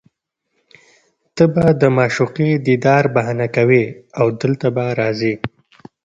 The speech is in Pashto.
ته به د معشوقې دیدار بهانه کوې او دلته به راځې